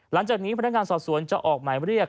หลังจากนี้พนักงานสอบสวนจะออกหมายเรียก